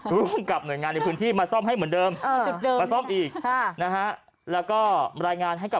ร่วมกับหน่วยงานในพื้นที่มาซ่อมให้เหมือนเดิมมาซ่อมอีก